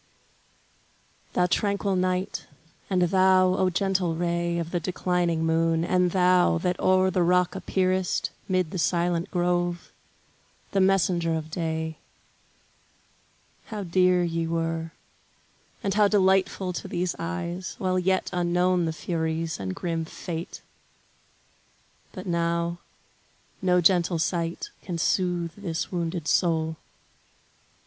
Thou tranquil night, and thou, O gentle ray Of the declining moon; and thou, that o'er The rock appearest, 'mid the silent grove, The messenger of day; how dear ye were, And how delightful to these eyes, while yet Unknown the furies, and grim Fate! But now, No gentle sight can soothe this wounded soul.